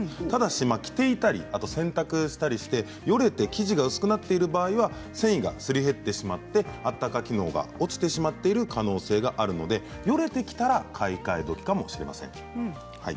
ただし着ていたり洗濯したりしてよれて生地が薄くなっている場合繊維がすり減ってあったか機能が落ちてしまう可能性がありますのでよれてきたら買い替え時かもしれません。